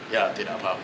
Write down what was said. ya tidak apa apa